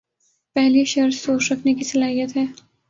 پہلی شرط سوچ رکھنے کی صلاحیت ہے۔